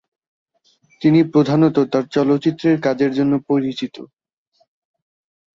তিনি প্রধানত তার চলচ্চিত্রের কাজের জন্য পরিচিত।